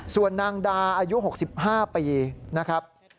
ส่วนนางดาอายุหกสิบห้าปีนะครับ